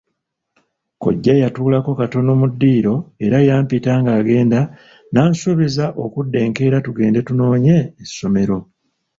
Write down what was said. Kkojja yatuulako katono mu ddiiro era yampita ng'agenda n'ansuubiza okudda enkeera tugende tunoonye essomero.